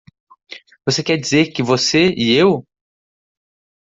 Você quer dizer que você e eu?